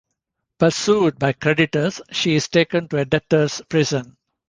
Persued by creditors she is taken to a debtors' prison.